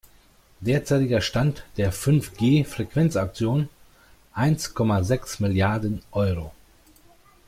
Derzeitiger Stand der Fünf-G-Frequenzauktion: Eins Komma sechs Milliarden Euro.